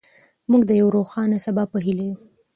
موږ د یو روښانه سبا په هیله یو.